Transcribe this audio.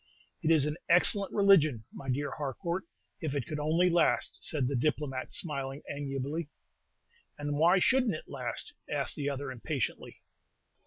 "It is an excellent religion, my dear Harcourt, if it could only last!" said the diplomat, smiling amiably. "And why should n't it last?" asked the other, impatiently.